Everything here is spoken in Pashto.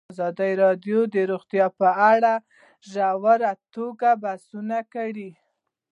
ازادي راډیو د روغتیا په اړه په ژوره توګه بحثونه کړي.